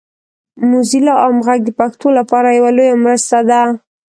موزیلا عام غږ د پښتو لپاره یوه لویه مرسته ده.